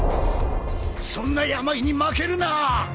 そんな病に負けるな！